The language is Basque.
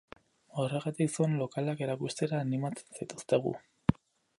Horregatik, zuen lokalak erakustera animatzen zaituztegu.